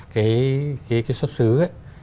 cái xuất xứ ấy